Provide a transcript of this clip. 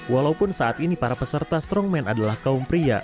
walaupun saat ini para peserta strongman adalah kaum pria